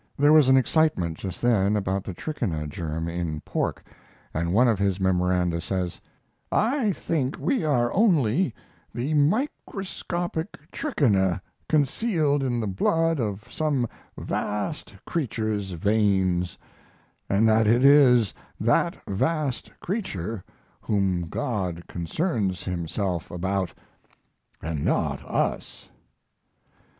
There was an excitement, just then, about the trichina germ in pork, and one of his memoranda says: I think we are only the microscopic trichina concealed in the blood of some vast creature's veins, and that it is that vast creature whom God concerns himself about and not us.